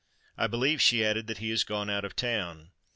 "I believe," she added, "that he is gone out of town."